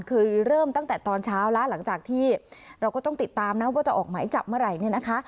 คือเริ่มตั้งแต่ตอนเช้าแล้วหลังจากที่เราก็ต้องติดตามนะว่าจะออกหมายจับเมื่อไหร่เนี่ยนะคะ